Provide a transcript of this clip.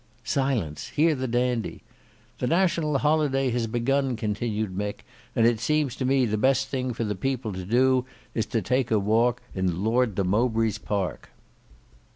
"Silence; hear the Dandy!" "The National Holiday has begun," continued Mick, "and it seems to me the best thing for the people to do is to take a walk in Lord de Mowbray's park."